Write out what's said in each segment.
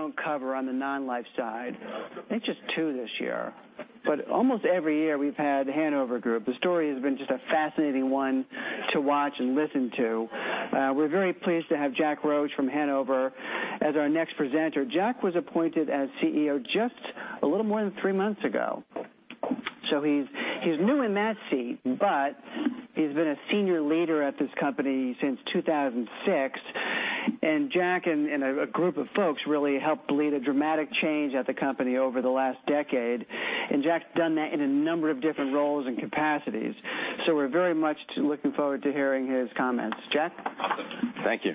Don't cover on the non-life side. I think just two this year. Almost every year, we've had Hanover Group. The story has been just a fascinating one to watch and listen to. We're very pleased to have Jack Roche from Hanover as our next presenter. Jack was appointed as CEO just a little more than three months ago. He's new in that seat, but he's been a senior leader at this company since 2006, and Jack and a group of folks really helped lead a dramatic change at the company over the last decade. Jack's done that in a number of different roles and capacities. We're very much looking forward to hearing his comments. Jack? Thank you.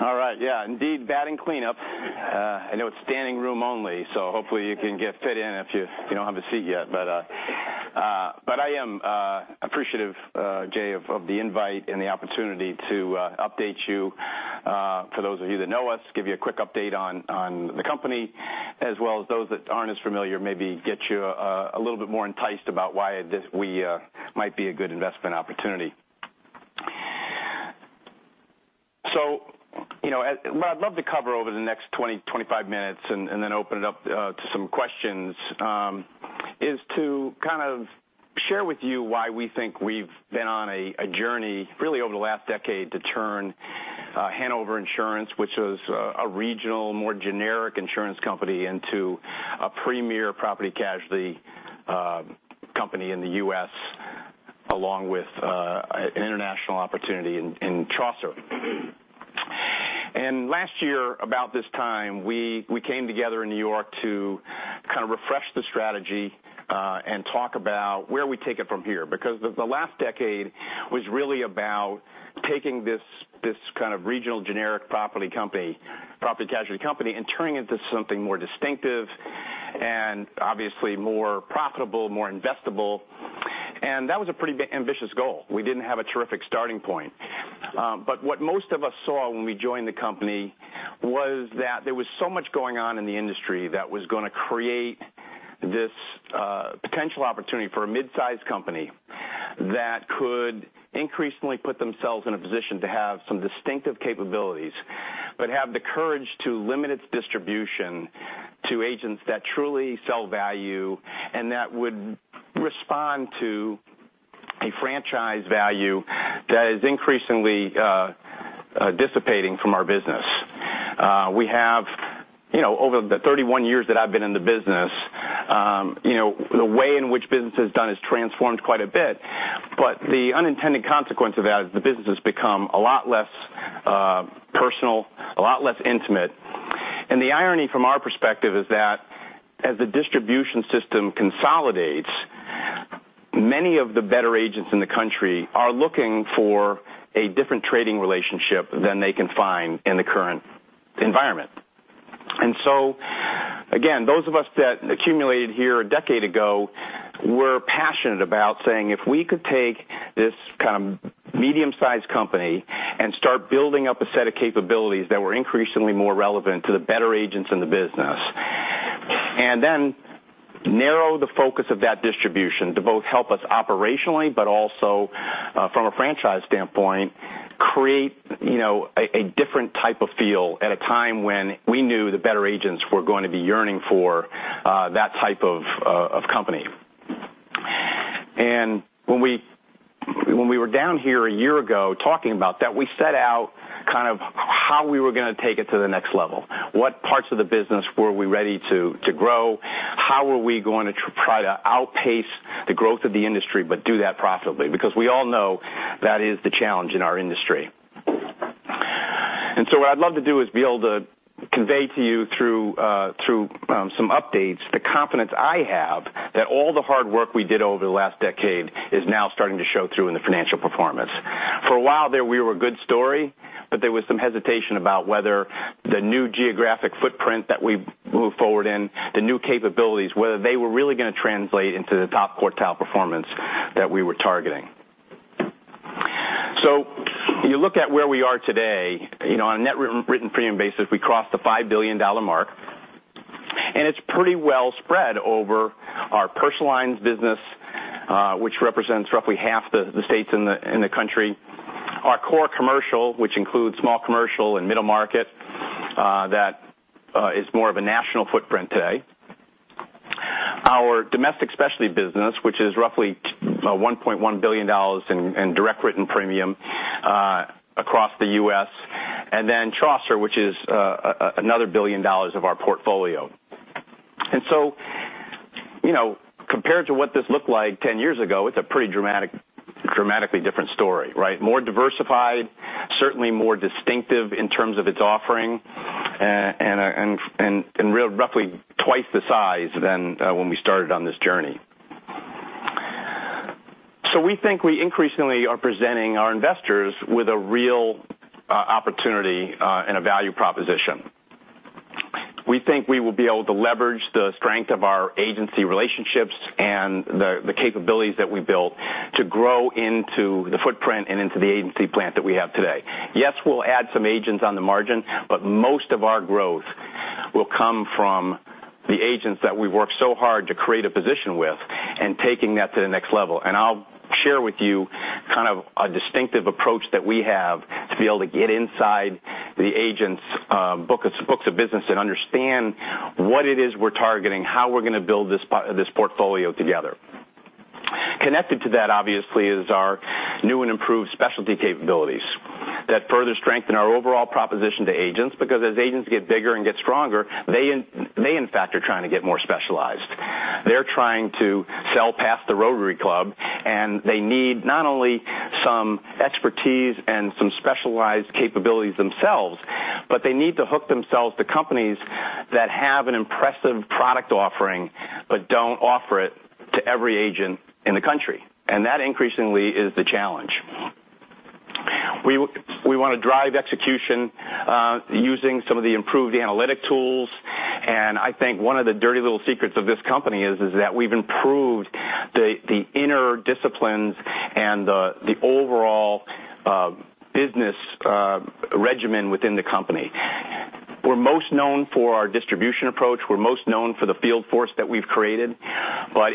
All right, yeah. Indeed, batting cleanup. I know it's standing room only, so hopefully you can get fit in if you don't have a seat yet. I am appreciative, Jay, of the invite and the opportunity to update you. For those of you that know us, give you a quick update on the company, as well as those that aren't as familiar, maybe get you a little bit more enticed about why we might be a good investment opportunity. What I'd love to cover over the next 20, 25 minutes, and then open it up to some questions, is to kind of share with you why we think we've been on a journey, really over the last decade, to turn Hanover Insurance, which was a regional, more generic insurance company, into a premier property casualty company in the U.S., along with international opportunity in Chaucer. Last year about this time, we came together in New York to kind of refresh the strategy, and talk about where we take it from here. Because the last decade was really about taking this kind of regional generic property casualty company and turning into something more distinctive and obviously more profitable, more investable. That was a pretty ambitious goal. We didn't have a terrific starting point. What most of us saw when we joined the company was that there was so much going on in the industry that was going to create this potential opportunity for a mid-size company that could increasingly put themselves in a position to have some distinctive capabilities, but have the courage to limit its distribution to agents that truly sell value and that would respond to a franchise value that is increasingly dissipating from our business. We have over the 31 years that I've been in the business, the way in which business is done has transformed quite a bit. The unintended consequence of that is the business has become a lot less personal, a lot less intimate. The irony from our perspective is that as the distribution system consolidates, many of the better agents in the country are looking for a different trading relationship than they can find in the current environment. Again, those of us that accumulated here 10 years ago, were passionate about saying if we could take this kind of medium-sized company and start building up a set of capabilities that were increasingly more relevant to the better agents in the business, then narrow the focus of that distribution to both help us operationally, but also from a franchise standpoint, create a different type of feel at a time when we knew the better agents were going to be yearning for that type of company. When we were down here 1 year ago talking about that, we set out kind of how we were going to take it to the next level. What parts of the business were we ready to grow? How were we going to try to outpace the growth of the industry, but do that profitably? We all know that is the challenge in our industry. What I'd love to do is be able to convey to you through some updates, the confidence I have that all the hard work we did over the last 10 years is now starting to show through in the financial performance. For a while there, we were a good story, but there was some hesitation about whether the new geographic footprint that we moved forward in, the new capabilities, whether they were really going to translate into the top quartile performance that we were targeting. You look at where we are today, on a net written premium basis, we crossed the $5 billion mark, and it's pretty well spread over our personal lines business, which represents roughly half the states in the country. Our core commercial, which includes small commercial and middle market, that is more of a national footprint today. Our domestic specialty business, which is roughly $1.1 billion in direct written premium across the U.S., then Chaucer, which is another $1 billion of our portfolio. Compared to what this looked like 10 years ago, it's a pretty dramatically different story, right? More diversified, certainly more distinctive in terms of its offering, and roughly twice the size than when we started on this journey. We think we increasingly are presenting our investors with a real opportunity and a value proposition. We think we will be able to leverage the strength of our agency relationships and the capabilities that we built to grow into the footprint and into the agency plant that we have today. Yes, we'll add some agents on the margin, but most of our growth will come from the agents that we've worked so hard to create a position with and taking that to the next level. I'll share with you kind of a distinctive approach that we have to be able to get inside the agent's books of business and understand what it is we're targeting, how we're going to build this portfolio together. Connected to that, obviously, is our new and improved specialty capabilities that further strengthen our overall proposition to agents. As agents get bigger and get stronger, they, in fact, are trying to get more specialized. They're trying to sell past the Rotary Club, and they need not only some expertise and some specialized capabilities themselves, but they need to hook themselves to companies that have an impressive product offering but don't offer it to every agent in the country. That increasingly is the challenge. We want to drive execution using some of the improved analytic tools. I think one of the dirty little secrets of this company is that we've improved the inner disciplines and the overall business regimen within the company. We're most known for our distribution approach. We're most known for the field force that we've created.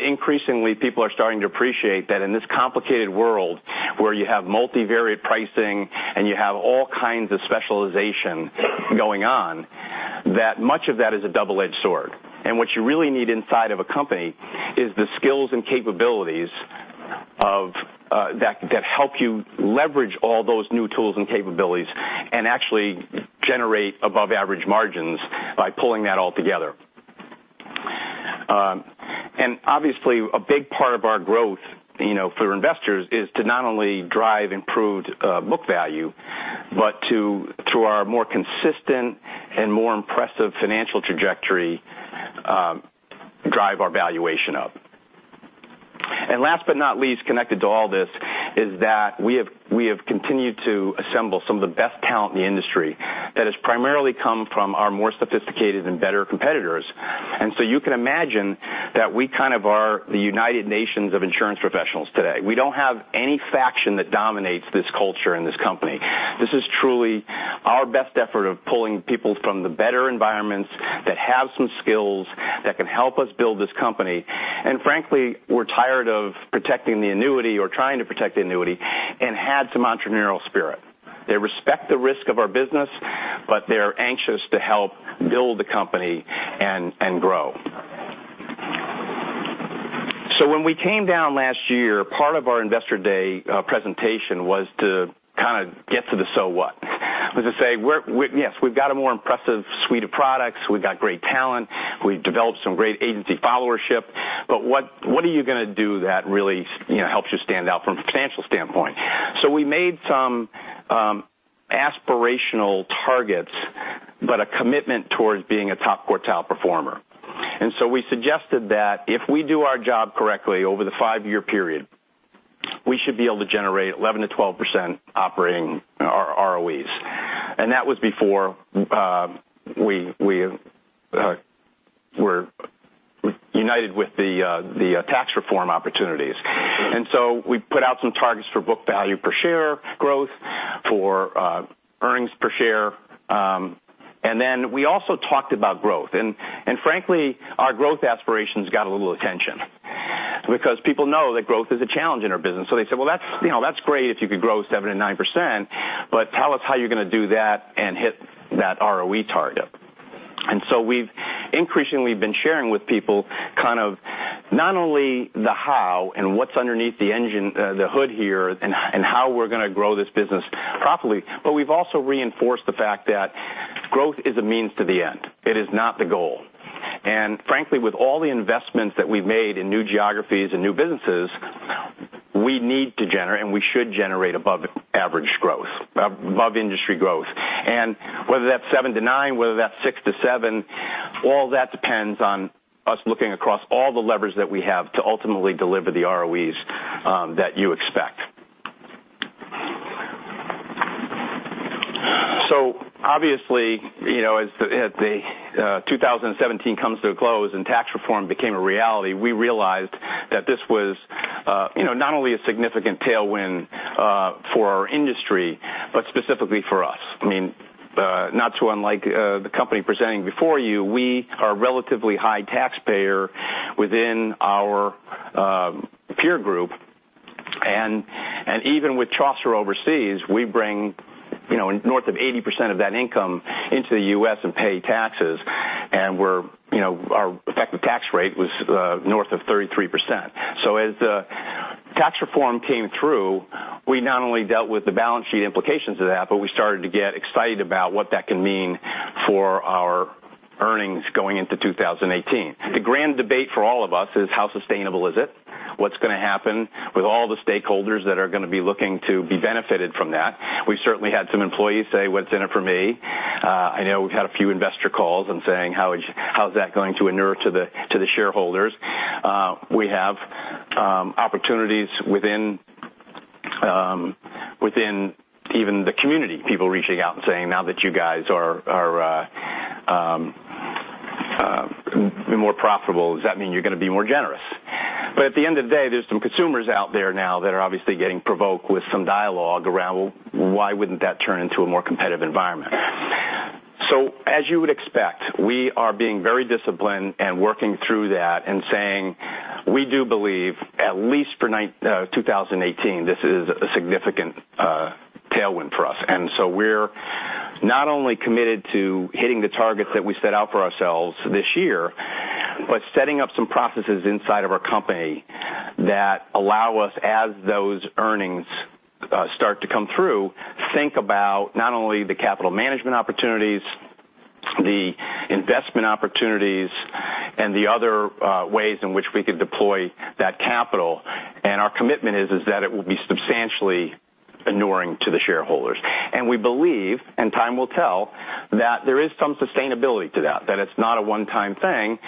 Increasingly, people are starting to appreciate that in this complicated world where you have multivariate pricing and you have all kinds of specialization going on, that much of that is a double-edged sword. What you really need inside of a company is the skills and capabilities that help you leverage all those new tools and capabilities and actually generate above-average margins by pulling that all together. Obviously, a big part of our growth for investors is to not only drive improved book value, but through our more consistent and more impressive financial trajectory, drive our valuation up. Last but not least, connected to all this is that we have continued to assemble some of the best talent in the industry that has primarily come from our more sophisticated and better competitors. You can imagine that we kind of are the United Nations of insurance professionals today. We don't have any faction that dominates this culture in this company. This is truly our best effort of pulling people from the better environments that have some skills that can help us build this company. Frankly, we're tired of protecting the annuity or trying to protect the annuity and had some entrepreneurial spirit. They respect the risk of our business, but they're anxious to help build the company and grow. When we came down last year, part of our investor day presentation was to kind of get to the so what. Was to say, yes, we've got a more impressive suite of products. We've got great talent. We've developed some great agency followership. What are you going to do that really helps you stand out from a financial standpoint? We made some aspirational targets, but a commitment towards being a top quartile performer. We suggested that if we do our job correctly over the five-year period, we should be able to generate 11%-12% operating ROEs. That was before we're united with the tax reform opportunities. We put out some targets for book value per share growth, for earnings per share. We also talked about growth. Frankly, our growth aspirations got a little attention because people know that growth is a challenge in our business. They said, "Well, that's great if you could grow 7%-9% but tell us how you're going to do that and hit that ROE target." We've increasingly been sharing with people not only the how and what's underneath the hood here and how we're going to grow this business properly, but we've also reinforced the fact that growth is a means to the end. It is not the goal. Frankly, with all the investments that we've made in new geographies and new businesses, we need to generate, and we should generate above average growth, above industry growth. Whether that's 7%-9%, whether that's 6%-7%, all that depends on us looking across all the levers that we have to ultimately deliver the ROEs that you expect. Obviously, as 2017 comes to a close and tax reform became a reality, we realized that this was not only a significant tailwind for our industry, but specifically for us. Not too unlike the company presenting before you, we are a relatively high taxpayer within our peer group, and even with Chaucer Overseas, we bring north of 80% of that income into the U.S. and pay taxes, and our effective tax rate was north of 33%. As tax reform came through, we not only dealt with the balance sheet implications of that, but we started to get excited about what that can mean for our earnings going into 2018. The grand debate for all of us is how sustainable is it? What's going to happen with all the stakeholders that are going to be looking to be benefited from that? We've certainly had some employees say, "What's in it for me?" I know we've had a few investor calls and saying, "How's that going to inure to the shareholders?" We have opportunities within even the community, people reaching out and saying, "Now that you guys are more profitable, does that mean you're going to be more generous? At the end of the day, there's some consumers out there now that are obviously getting provoked with some dialogue around why wouldn't that turn into a more competitive environment. As you would expect, we are being very disciplined and working through that and saying, we do believe, at least for 2018, this is a significant tailwind for us. We're not only committed to hitting the targets that we set out for ourselves this year but setting up some processes inside of our company that allow us, as those earnings start to come through, think about not only the capital management opportunities, the investment opportunities, and the other ways in which we could deploy that capital. Our commitment is that it will be substantially inuring to the shareholders. We believe, and time will tell, that there is some sustainability to that it's not a one-time thing,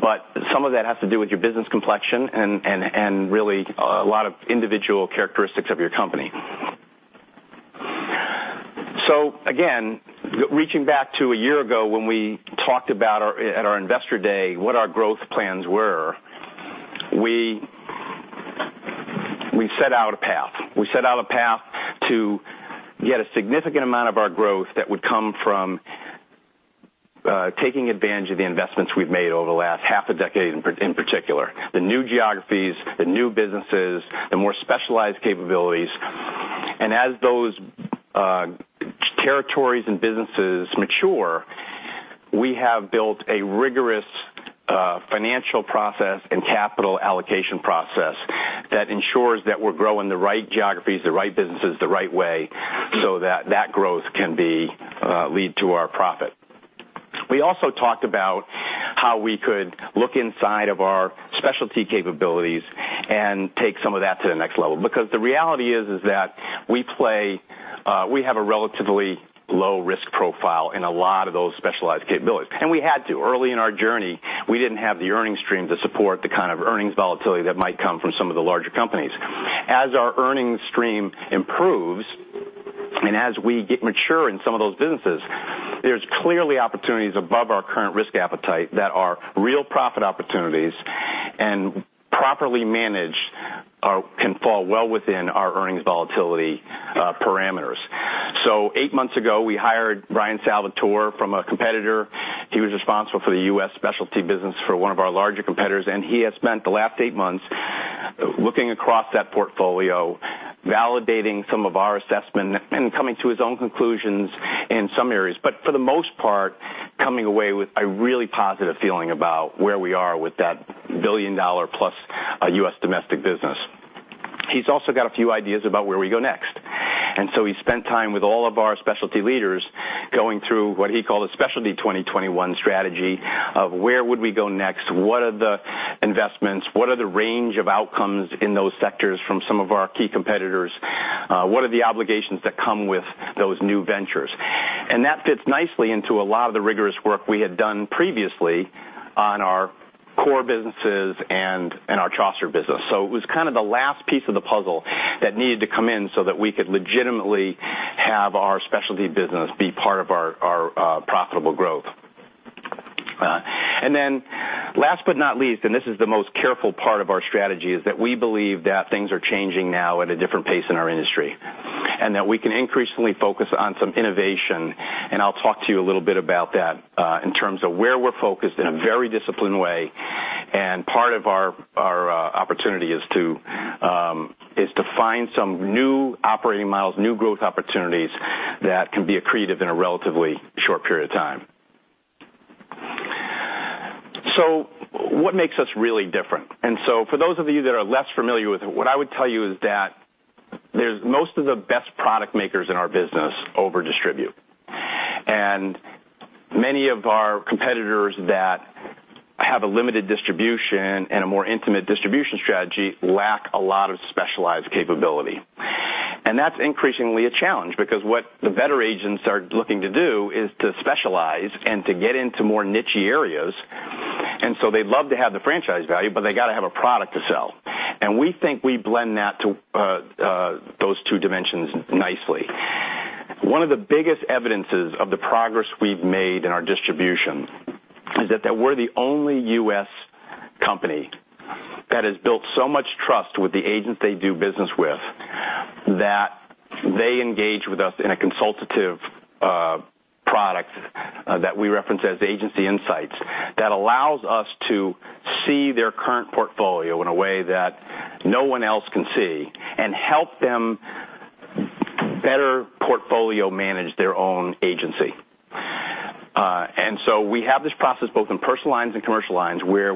but some of that has to do with your business complexion and really a lot of individual characteristics of your company. Again, reaching back to a year ago when we talked about at our investor day what our growth plans were, we set out a path. We set out a path to get a significant amount of our growth that would come from taking advantage of the investments we've made over the last half a decade in particular. The new geographies, the new businesses, the more specialized capabilities. As those territories and businesses mature, we have built a rigorous financial process and capital allocation process that ensures that we're growing the right geographies, the right businesses, the right way, so that that growth can lead to our profit. We also talked about how we could look inside of our specialty capabilities and take some of that to the next level. Because the reality is that we have a relatively low risk profile in a lot of those specialized capabilities. We had to. Early in our journey, we didn't have the earnings stream to support the kind of earnings volatility that might come from some of the larger companies. As our earnings stream improves, and as we mature in some of those businesses, there's clearly opportunities above our current risk appetite that are real profit opportunities, and properly managed can fall well within our earnings volatility parameters. Eight months ago, we hired Bryan Salvatore from a competitor. He was responsible for the U.S. specialty business for one of our larger competitors, and he has spent the last eight months looking across that portfolio, validating some of our assessment, and coming to his own conclusions in some areas. But for the most part, coming away with a really positive feeling about where we are with that billion-dollar plus U.S. domestic business. He's also got a few ideas about where we go next. He spent time with all of our specialty leaders going through what he called a Specialty 2021 Strategy of where would we go next, what are the investments, what are the range of outcomes in those sectors from some of our key competitors, what are the obligations that come with those new ventures. That fits nicely into a lot of the rigorous work we had done previously on our core businesses and our Chaucer business. It was kind of the last piece of the puzzle that needed to come in so that we could legitimately have our specialty business be part of our profitable growth. Last but not least, and this is the most careful part of our strategy, is that we believe that things are changing now at a different pace in our industry, and that we can increasingly focus on some innovation. I'll talk to you a little bit about that in terms of where we're focused in a very disciplined way. Part of our opportunity is to find some new operating models, new growth opportunities that can be accretive in a relatively short period of time. What makes us really different? For those of you that are less familiar with it, what I would tell you is that most of the best product makers in our business over-distribute. Many of our competitors that have a limited distribution and a more intimate distribution strategy lack a lot of specialized capability. That's increasingly a challenge because what the better agents are looking to do is to specialize and to get into more niche-y areas. They'd love to have the franchise value, but they got to have a product to sell. We think we blend those two dimensions nicely. One of the biggest evidences of the progress we've made in our distribution is that we're the only U.S. company that has built so much trust with the agents they do business with that they engage with us in a consultative product that we reference as Agency Insights that allows us to see their current portfolio in a way that no one else can see and help them better portfolio manage their own agency. We have this process both in personal lines and commercial lines where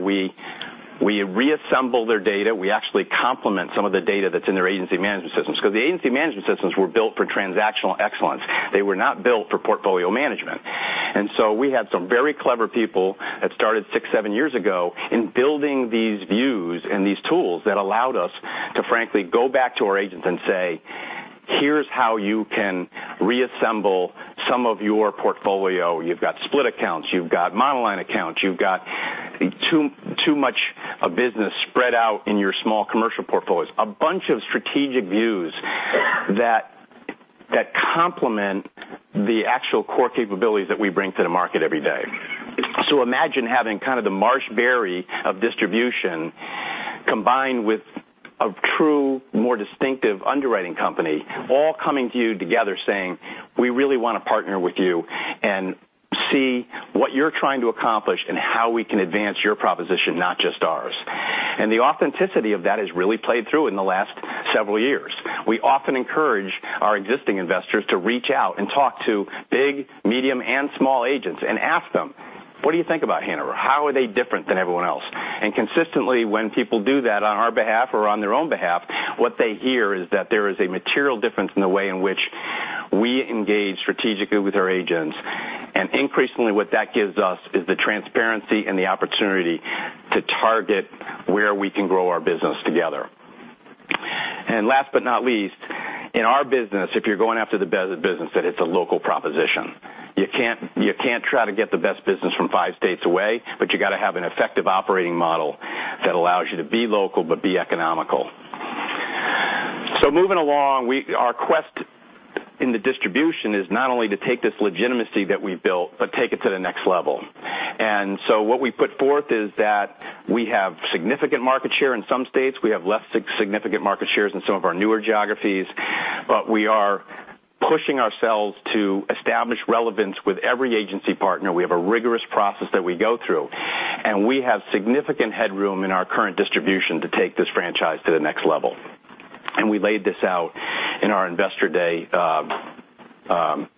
we reassemble their data. We actually complement some of the data that's in their agency management systems because the agency management systems were built for transactional excellence. They were not built for portfolio management. We had some very clever people that started six, seven years ago in building these views and these tools that allowed us to frankly go back to our agents and say, "Here's how you can reassemble some of your portfolio. You've got split accounts. You've got monoline accounts. You've got too much business spread out in your small commercial portfolios." A bunch of strategic views that complement the actual core capabilities that we bring to the market every day. Imagine having kind of the MarshBerry of distribution combined with a true, more distinctive underwriting company, all coming to you together saying, "We really want to partner with you and see what you're trying to accomplish and how we can advance your proposition, not just ours." The authenticity of that has really played through in the last several years. We often encourage our existing investors to reach out and talk to big, medium, and small agents and ask them, "What do you think about Hanover? How are they different than everyone else?" Consistently, when people do that on our behalf or on their own behalf, what they hear is that there is a material difference in the way in which we engage strategically with our agents. Increasingly, what that gives us is the transparency and the opportunity to target where we can grow our business together. Last but not least, in our business, if you're going after the business, that it's a local proposition. You can't try to get the best business from five states away, but you got to have an effective operating model that allows you to be local but be economical. Moving along, our quest in the distribution is not only to take this legitimacy that we've built but take it to the next level. What we put forth is that we have significant market share in some states. We have less significant market shares in some of our newer geographies. We are pushing ourselves to establish relevance with every agency partner. We have a rigorous process that we go through, and we have significant headroom in our current distribution to take this franchise to the next level. We laid this out in our investor day proposition.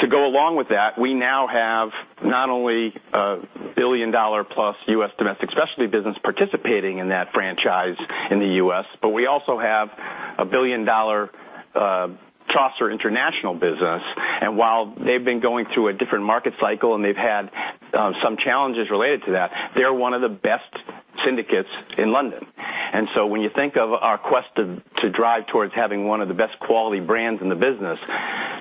To go along with that, we now have not only a $1 billion-plus U.S. domestic specialty business participating in that franchise in the U.S., but we also have a $1 billion Chaucer international business. While they've been going through a different market cycle and they've had some challenges related to that, they're one of the best syndicates in London. When you think of our quest to drive towards having one of the best quality brands in the business,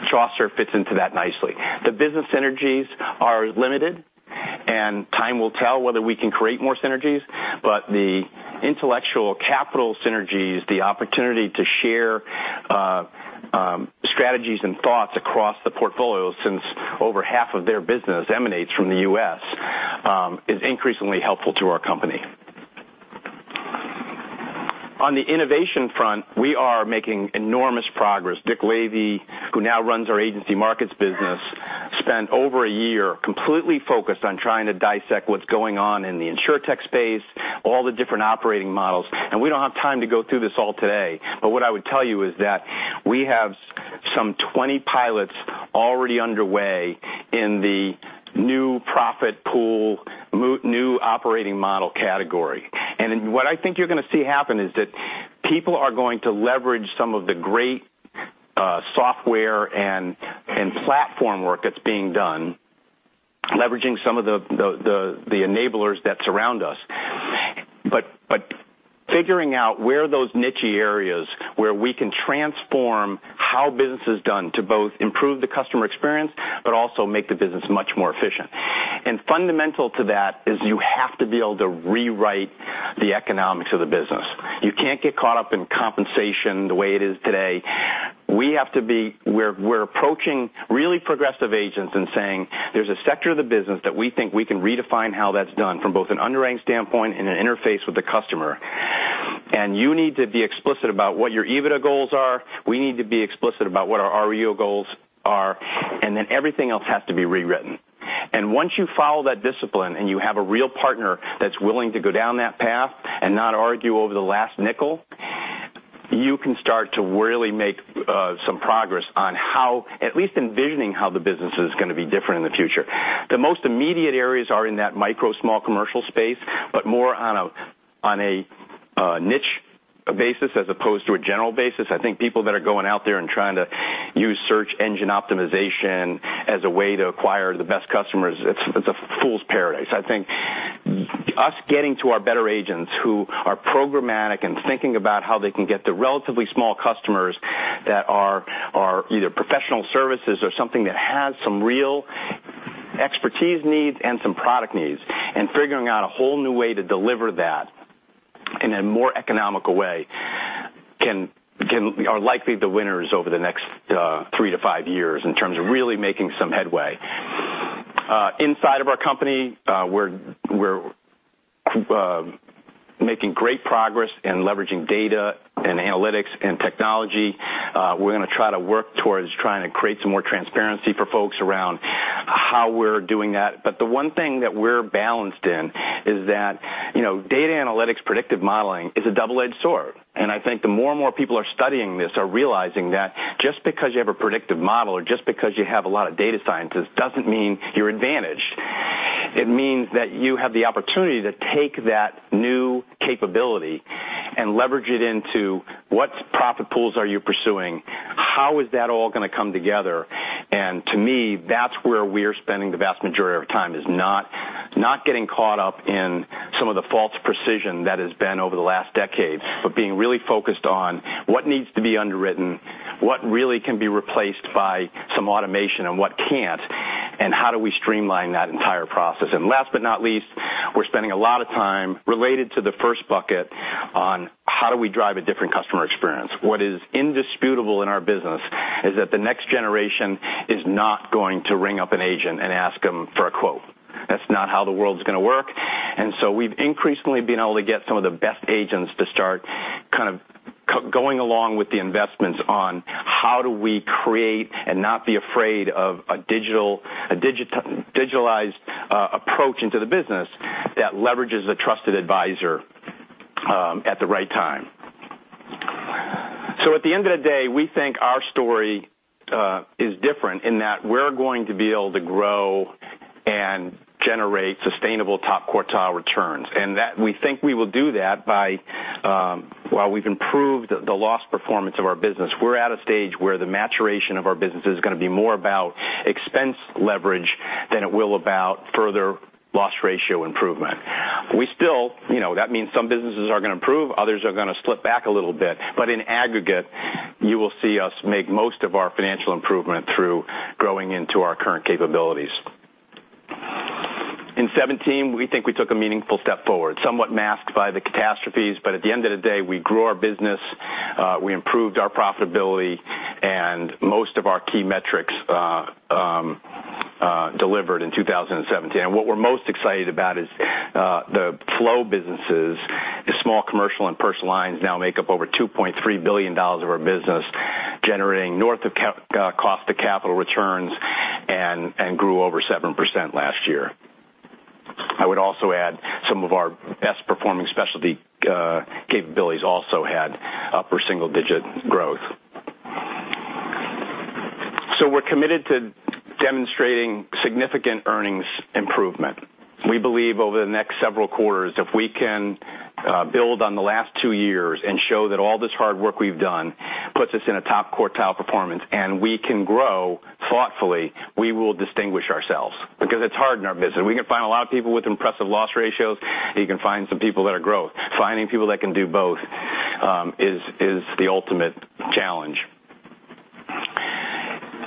Chaucer fits into that nicely. The business synergies are limited, and time will tell whether we can create more synergies, but the intellectual capital synergies, the opportunity to share strategies and thoughts across the portfolio, since over half of their business emanates from the U.S., is increasingly helpful to our company. On the innovation front, we are making enormous progress. Dick Lavey, who now runs our agency markets business, spent over a year completely focused on trying to dissect what's going on in the InsurTech space, all the different operating models, and we don't have time to go through this all today. What I would tell you is that we have some 20 pilots already underway in the new profit pool, new operating model category. What I think you're going to see happen is that people are going to leverage some of the great software and platform work that's being done, leveraging some of the enablers that surround us, but figuring out where those niche-y areas where we can transform how business is done to both improve the customer experience but also make the business much more efficient. Fundamental to that is you have to be able to rewrite the economics of the business. You can't get caught up in compensation the way it is today. We're approaching really progressive agents and saying, "There's a sector of the business that we think we can redefine how that's done from both an underwriting standpoint and an interface with the customer. You need to be explicit about what your EBITDA goals are. We need to be explicit about what our ROI goals are, then everything else has to be rewritten." Once you follow that discipline and you have a real partner that's willing to go down that path and not argue over the last nickel, you can start to really make some progress on at least envisioning how the business is going to be different in the future. The most immediate areas are in that micro small commercial space, but more on a niche basis as opposed to a general basis. I think people that are going out there and trying to use search engine optimization as a way to acquire the best customers, it's a fool's paradise. I think us getting to our better agents who are programmatic and thinking about how they can get the relatively small customers that are either professional services or something that has some real expertise needs and some product needs, and figuring out a whole new way to deliver that in a more economical way are likely the winners over the next three to five years in terms of really making some headway. Inside of our company, we're making great progress in leveraging data and analytics and technology. We're going to try to work towards trying to create some more transparency for folks around how we're doing that. The one thing that we're balanced in is that data analytics predictive modeling is a double-edged sword. I think the more and more people are studying this are realizing that just because you have a predictive model or just because you have a lot of data scientists doesn't mean you're advantaged. It means that you have the opportunity to take that new capability and leverage it into what profit pools are you pursuing? How is that all going to come together? To me, that's where we're spending the vast majority of our time, is not getting caught up in some of the false precision that has been over the last decade, but being really focused on what needs to be underwritten, what really can be replaced by some automation and what can't. How do we streamline that entire process? Last but not least, we're spending a lot of time related to the first bucket on how do we drive a different customer experience. What is indisputable in our business is that the next generation is not going to ring up an agent and ask him for a quote. That's not how the world's going to work. We've increasingly been able to get some of the best agents to start kind of going along with the investments on how do we create and not be afraid of a digitalized approach into the business that leverages a trusted advisor at the right time. At the end of the day, we think our story is different in that we're going to be able to grow and generate sustainable top quartile returns, and that we think we will do that by, while we've improved the loss performance of our business, we're at a stage where the maturation of our business is going to be more about expense leverage than it will about further loss ratio improvement. That means some businesses are going to improve, others are going to slip back a little bit. In aggregate, you will see us make most of our financial improvement through growing into our current capabilities. In 2017, we think we took a meaningful step forward, somewhat masked by the catastrophes, but at the end of the day, we grew our business, we improved our profitability, and most of our key metrics delivered in 2017. What we're most excited about is the flow businesses as small commercial and personal lines now make up over $2.3 billion of our business, generating north of cost of capital returns and grew over 7% last year. I would also add some of our best performing specialty capabilities also had upper single-digit growth. We're committed to demonstrating significant earnings improvement. We believe over the next several quarters, if we can build on the last two years and show that all this hard work we've done puts us in a top quartile performance and we can grow thoughtfully, we will distinguish ourselves because it's hard in our business. We can find a lot of people with impressive loss ratios. You can find some people that are growth. Finding people that can do both is the ultimate challenge.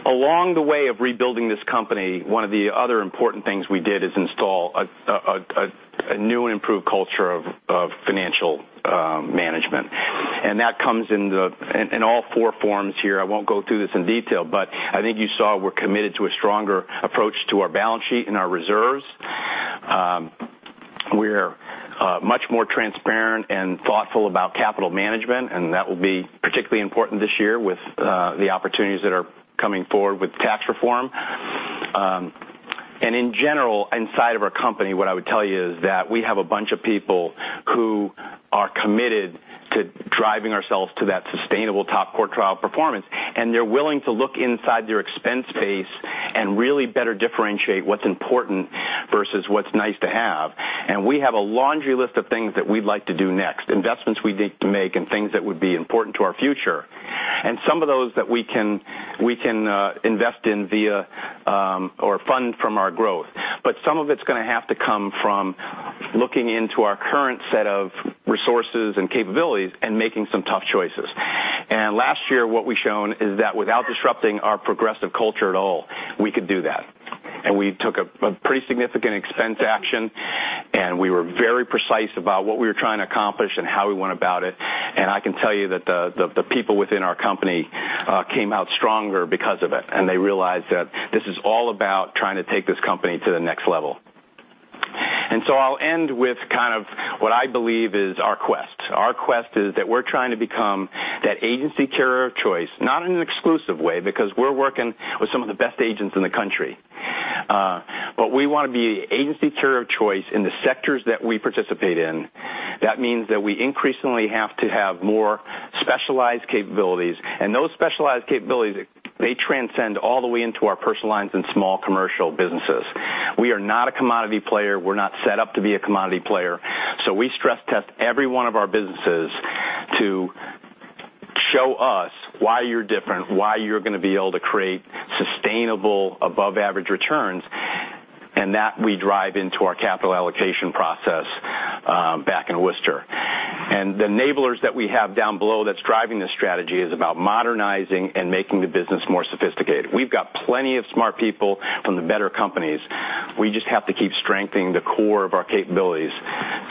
Along the way of rebuilding this company, one of the other important things we did is install a new and improved culture of financial management. That comes in all four forms here. I won't go through this in detail, but I think you saw we're committed to a stronger approach to our balance sheet and our reserves. We're much more transparent and thoughtful about capital management. That will be particularly important this year with the opportunities that are coming forward with tax reform. In general, inside of our company, what I would tell you is that we have a bunch of people who are committed to driving ourselves to that sustainable top quartile performance, and they're willing to look inside their expense base and really better differentiate what's important versus what's nice to have. We have a laundry list of things that we'd like to do next, investments we need to make and things that would be important to our future. Some of those that we can invest in via or fund from our growth. But some of it's going to have to come from looking into our current set of resources and capabilities and making some tough choices. Last year, what we've shown is that without disrupting our progressive culture at all, we could do that. We took a pretty significant expense action, and we were very precise about what we were trying to accomplish and how we went about it. I can tell you that the people within our company came out stronger because of it, and they realized that this is all about trying to take this company to the next level. I'll end with kind of what I believe is our quest. Our quest is that we're trying to become that agency carrier of choice, not in an exclusive way, because we're working with some of the best agents in the country. We want to be agency carrier of choice in the sectors that we participate in. That means that we increasingly have to have more specialized capabilities, and those specialized capabilities, they transcend all the way into our personal lines and small commercial businesses. We are not a commodity player. We're not set up to be a commodity player. We stress test every one of our businesses to show us why you're different, why you're going to be able to create sustainable above average returns, and that we drive into our capital allocation process back in Worcester. The enablers that we have down below that's driving this strategy is about modernizing and making the business more sophisticated. We've got plenty of smart people from the better companies. We just have to keep strengthening the core of our capabilities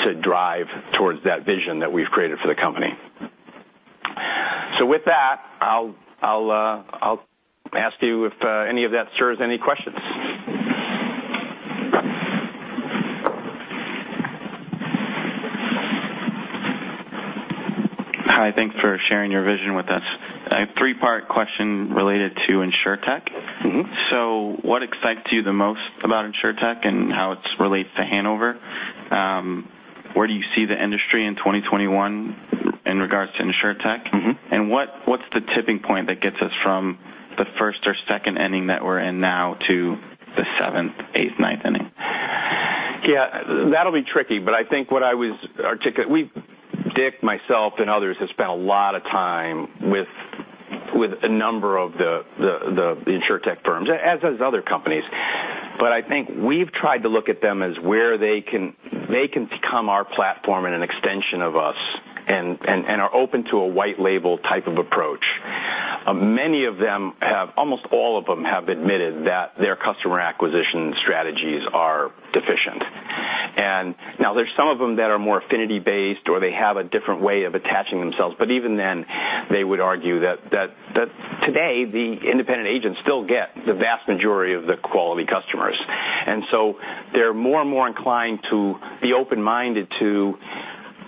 to drive towards that vision that we've created for the company. With that, I'll ask you if any of that stirs any questions. Hi. Thanks for sharing your vision with us. I have a three-part question related to InsurTech. What excites you the most about InsurTech and how it relates to Hanover? Where do you see the industry in 2021 in regards to InsurTech? What's the tipping point that gets us from the first or second inning that we're in now to the seventh, eighth, ninth inning? Yeah, that'll be tricky, I think Dick, myself, and others have spent a lot of time with a number of the InsurTech firms, as has other companies. I think we've tried to look at them as where they can become our platform and an extension of us. Are open to a white label type of approach. Many of them have, almost all of them have admitted that their customer acquisition strategies are deficient. Now there's some of them that are more affinity-based, or they have a different way of attaching themselves. Even then, they would argue that today the independent agents still get the vast majority of the quality customers. They're more and more inclined to be open-minded to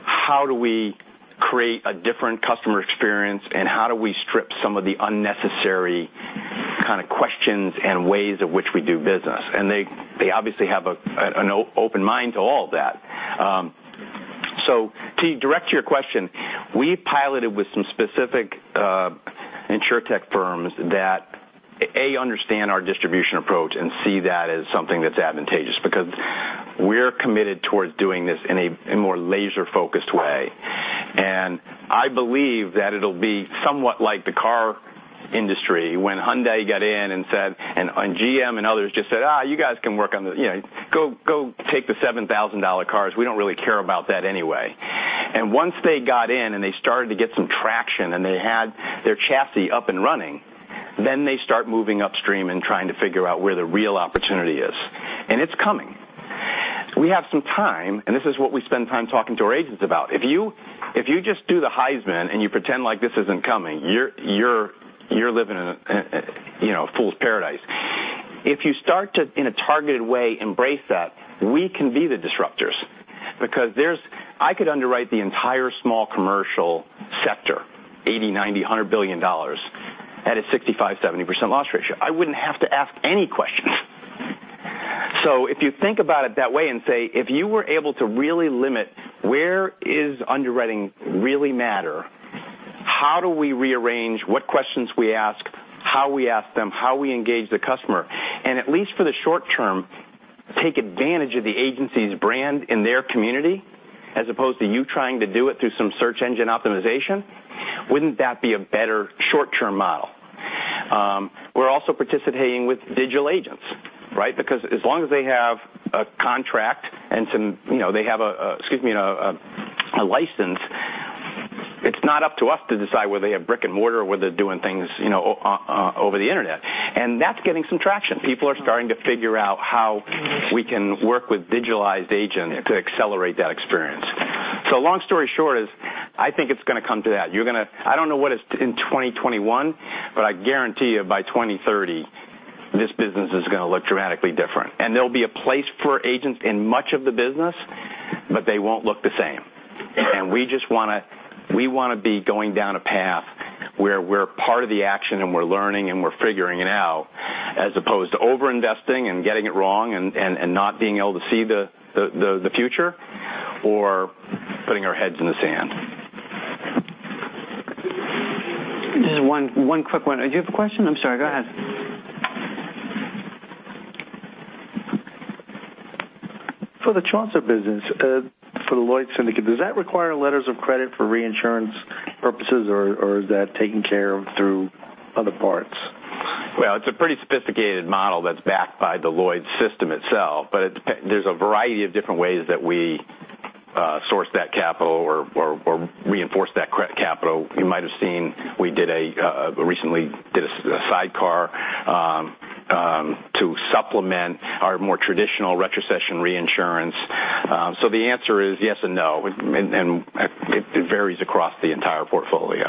how do we create a different customer experience and how do we strip some of the unnecessary kind of questions and ways at which we do business? They obviously have an open mind to all of that. To direct to your question, we piloted with some specific InsurTech firms that, A, understand our distribution approach and see that as something that's advantageous. We're committed towards doing this in a more laser-focused way. I believe that it'll be somewhat like the car industry when Hyundai got in and said, GM and others just said, "Ah, you guys can work on the Go take the $7,000 cars. We don't really care about that anyway." Once they got in and they started to get some traction and they had their chassis up and running, then they start moving upstream and trying to figure out where the real opportunity is. It's coming. We have some time, and this is what we spend time talking to our agents about. If you just do the Heisman and you pretend like this isn't coming, you're living in a fool's paradise. If you start to, in a targeted way, embrace that, we can be the disruptors because there's I could underwrite the entire small commercial sector, $80, $90, $100 billion at a 65%-70% loss ratio. I wouldn't have to ask any questions. If you think about it that way and say, if you were able to really limit where is underwriting really matter, how do we rearrange what questions we ask, how we ask them, how we engage the customer, and at least for the short term, take advantage of the agency's brand in their community as opposed to you trying to do it through some search engine optimization. Wouldn't that be a better short-term model? We're also participating with digital agents, right? As long as they have a contract and they have a license, it's not up to us to decide whether they have brick and mortar or whether they're doing things over the internet. That's getting some traction. People are starting to figure out how we can work with digitalized agents to accelerate that experience. Long story short is, I think it's going to come to that. I don't know what it's in 2021, but I guarantee you by 2030, this business is going to look dramatically different. There'll be a place for agents in much of the business, but they won't look the same. We want to be going down a path where we're part of the action and we're learning and we're figuring it out, as opposed to over-investing and getting it wrong and not being able to see the future or putting our heads in the sand. Just one quick one. Do you have a question? I'm sorry. Go ahead. For the Chaucer business, for the Lloyd's syndicate, does that require letters of credit for reinsurance purposes, or is that taken care of through other parts? Well, it's a pretty sophisticated model that's backed by the Lloyd's system itself, there's a variety of different ways that we source that capital or reinforce that credit capital. You might have seen we recently did a sidecar to supplement our more traditional retrocession reinsurance. The answer is yes and no, and it varies across the entire portfolio.